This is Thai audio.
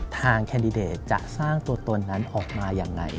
ทางเคนดิเดตจะสร้างตัวตนนั้นออกมาอย่างไร